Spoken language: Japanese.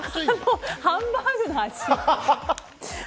ハンバーグの味。